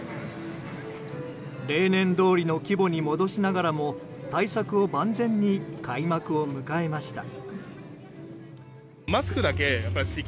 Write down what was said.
例年どおりの規模に戻しながらも対策を万全に開幕を迎えました。